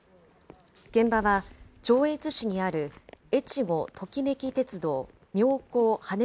現場は上越市にある、えちごトキめき鉄道・妙高はね